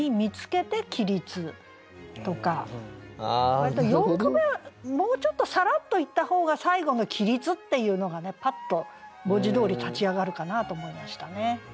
割と四句目もうちょっとさらっと言った方が最後の「起立」っていうのがねパッと文字どおり立ち上がるかなと思いましたね。